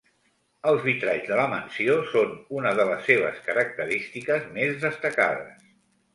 Els vitralls de la mansió són una de les seves característiques més destacades.